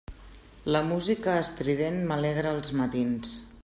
La música estrident m'alegra els matins.